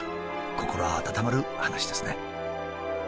心温まるお話ですね。